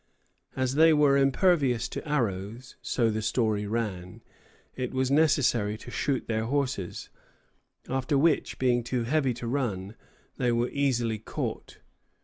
As they were impervious to arrows, so the story ran, it was necessary to shoot their horses, after which, being too heavy to run, they were easily caught.